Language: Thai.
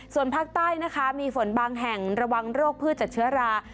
ส่วนภาคใต้นะคะมีฝนบางแห่งระวังโรคพืชจากเชื้อรา